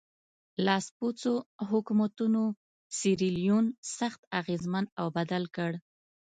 لاسپوڅو حکومتونو سیریلیون سخت اغېزمن او بدل کړ.